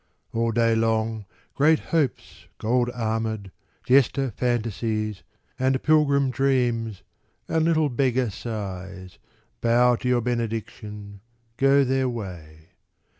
All day long Great Hopes gold armoured, jester Fantasies, And pilgrim Dreams, and little beggar Sighs, Bow to your benediction, go their way.